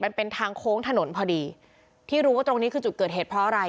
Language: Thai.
มันเป็นทางโค้งถนนพอดีที่รู้ว่าตรงนี้คือจุดเกิดเหตุเพราะอะไร